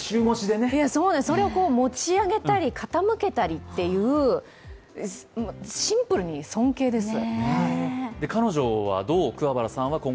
それを持ち上げたり、傾けたりという、シンプルに尊敬ですよ。